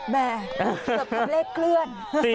เกือบกับเลขเคลื่อน